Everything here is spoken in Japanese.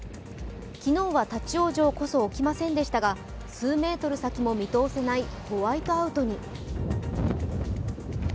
昨日は立往生こそ起きませんでしたが、数メートル先も見通せないホワイトアウトに。